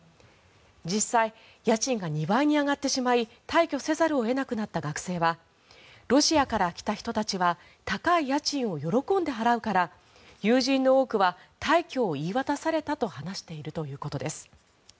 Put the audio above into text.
実際家賃が２倍に上がってしまい退去せざるを得なくなった学生はロシアから来た人たちは高い家賃を喜んで払うから友人の多くは退去を言い渡されたと話しているということです。